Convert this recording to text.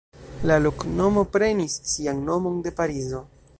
La loknomo prenis sian nomon de Parizo.